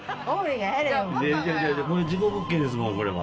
事故物件ですもんこれは。